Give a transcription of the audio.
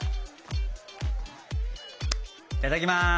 いただきます。